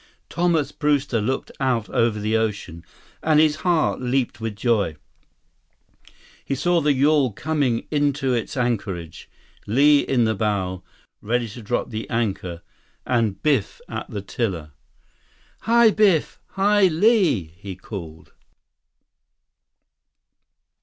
Thomas Brewster looked out over the ocean, and his heart leaped with joy. He saw the yawl coming into its anchorage, Li in the bow, ready to drop the anchor, and Biff at the tiller. "Hi, Biff! Hi, Li!" he called.